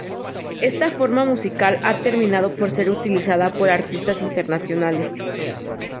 Esta forma musical ha terminado por ser utilizada por artistas internacionales.